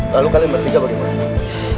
lalu kalian bertingkah bagaimana